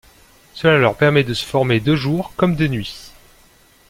Cela leur permet de se former de jour comme de nuit.